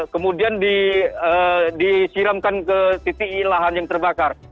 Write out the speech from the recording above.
kemudian disiramkan ke titik lahan yang terbakar